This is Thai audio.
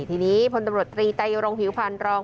ทีนี้พลตำรวจตรีไตรรงผิวพันธ์รอง